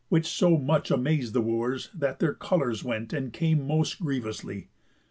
Which so much Amaz'd the Wooers, that their colours went And came most grievously.